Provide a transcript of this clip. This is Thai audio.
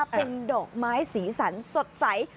เป็นดอกไม้สีสันสดใส